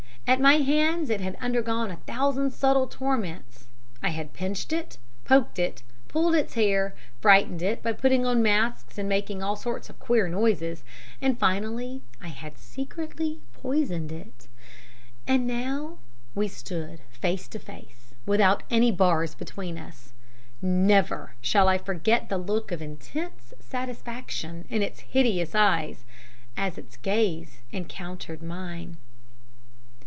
At my hands it had undergone a thousand subtle torments. I had pinched it, poked it, pulled its hair, frightened it by putting on masks and making all sorts of queer noises, and finally I had secretly poisoned it. And now we stood face to face without any bars between us. Never shall I forget the look of intense satisfaction in its hideous eyes, as its gaze encountered mine.